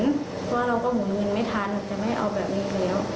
เพราะเราก็หมุนเงินไม่ทันจะไม่เอาแบบนี้อีกแล้ว